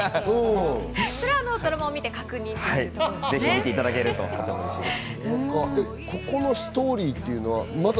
それはドラマを見て確認といぜひ見ていただけるとうれしいです。